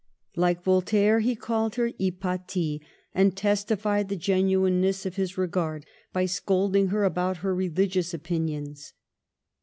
Like Voltaire, he called her " Hy patie "; and testified the genuineness of his re gard by scolding her about her religious opinions.